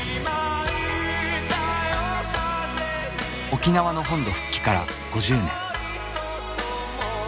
沖縄の本土復帰から５０年。